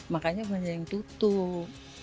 makanya banyak yang tutup